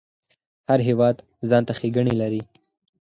هر هیواد ځانته ښیګڼی لري